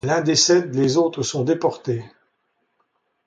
L'un décède, les autres sont déportés.